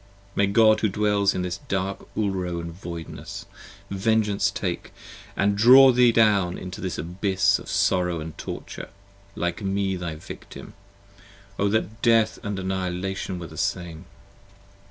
May God, who dwells in this dark Ulro & voidness, vengeance take, And draw thee down into this Abyss of sorrow and torture, 40 Like me thy Victim. O that Death & Annihilation were the same!